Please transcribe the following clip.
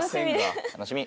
楽しみ。